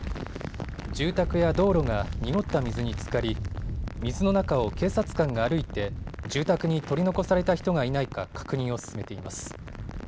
住宅や道路が濁った水につかり水の中を警察官が歩いて住宅に取り残された人がいないか確認を進めています。